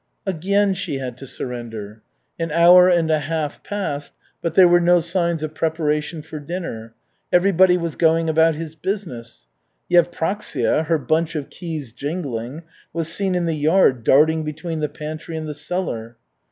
Again she had to surrender. An hour and a half passed, but there were no signs of preparation for dinner. Everybody was going about his business. Yevpraksia, her bunch of keys jingling, was seen in the yard darting between the pantry and the cellar.